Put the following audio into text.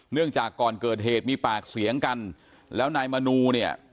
จากก่อนเกิดเหตุมีปากเสียงกันแล้วนายมนูเนี่ย